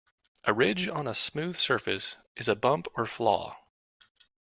A ridge on a smooth surface is a bump or flaw.